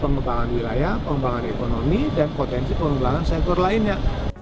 pengembangan wilayah pengembangan ekonomi dan potensi pengembangan sektor lainnya